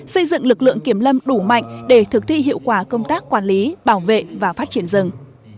xây dựng lực lượng kiểm lâm đủ mạnh để thực thi hiệu quả công tác quản lý bảo vệ và phát triển rừng